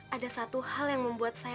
ada satu hal yang membuat saya